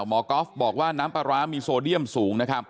หมอกอล์ฟบอกว่าน้ำปลาร้ามีโซเดียมสูง